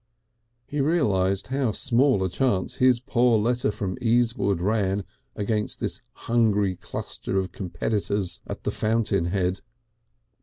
He realised how small a chance his poor letter from Easewood ran against this hungry cluster of competitors at the fountain head.